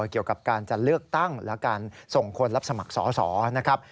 เกี่ยวกับการจะเลือกตั้งและการส่งคนรับสมัครสอสอนะครับ